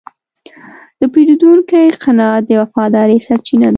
د پیرودونکي قناعت د وفادارۍ سرچینه ده.